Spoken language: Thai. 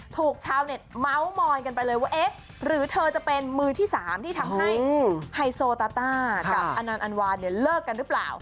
ถูกชาวเน็ตเมาส์มอนกันไปเลยว่าเอ๊ะหรือเธอจะเป็นมือที่๓ที่ทำให้ไฮโซตาต้ากับอนันต์อันวาเนี่ยเลิกกันหรือเปล่า